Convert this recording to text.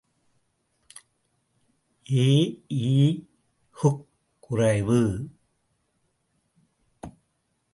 எ.இ.்குக் குறைவு.